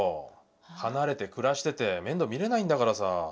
離れて暮らしてて面倒見れないんだからさ。